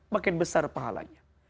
makin besar pahalanya